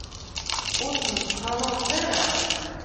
Ur ten-ttxalaḍet ara.